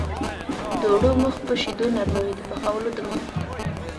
د اوړو مخ په شیدو نرموي د پخولو دمخه.